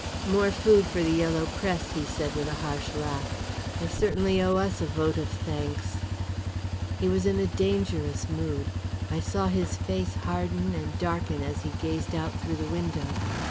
"More food for the yellow press," he said, with a harsh laugh. "They certainly owe us a vote of thanks." He was in a dangerous mood. I saw his face harden and darken as he gazed out through the window.